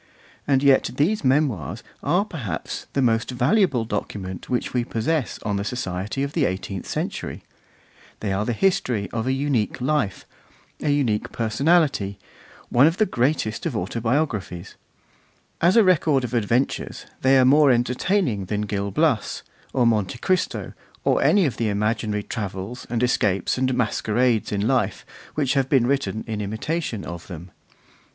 And yet these Memoirs are perhaps the most valuable document which we possess on the society of the eighteenth century; they are the history of a unique life, a unique personality, one of the greatest of autobiographies; as a record of adventures, they are more entertaining than Gil Blas, or Monte Cristo, or any of the imaginary travels, and escapes, and masquerades in life, which have been written in imitation of them.